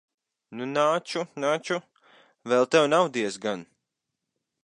Nu, nāču, nāču. Vēl tev nav diezgan.